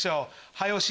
早押し！